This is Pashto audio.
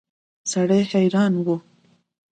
سړی حیران و.